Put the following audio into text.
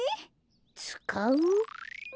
つかう？